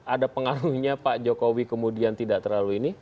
ada pengaruhnya pak jokowi kemudian tidak terlalu ini